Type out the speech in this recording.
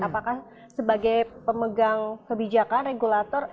apakah sebagai pemegang kebijakan regulator